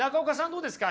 どうですか？